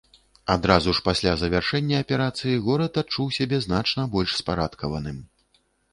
Адразу ж пасля завяршэння аперацыі горад адчуў сябе значна больш спарадкаваным.